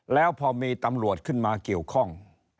แล้วพอมีตำรวจขึ้นมาเกี่ยวข้อง